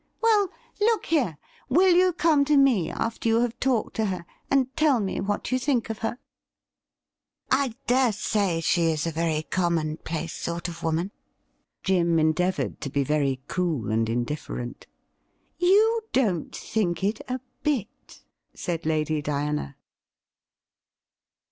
Well, look here, will you come to me after you have talked to her and tell me what you think of her .'*'' I dare say she is a very commonplace sort of woman.' Jim endeavoured to be very cool and indifferent. ' You don't think it a bit,' said Lady Diana.